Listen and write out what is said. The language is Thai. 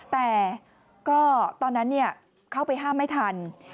แต่ก็ตอนนั้นเข้าไปห้ามไม่ทัน